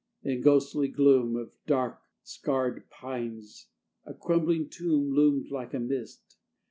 In ghostly gloom Of dark, scarred pines a crumbling tomb Loomed like a mist.